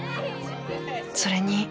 それに